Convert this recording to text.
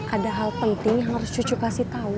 ada hal penting yang harus cucu kasih tahu